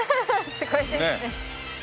すごいですね。